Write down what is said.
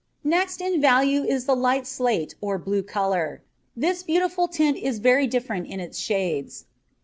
Next in value is the light slate or blue colour. This beautiful tint is very different in its shades.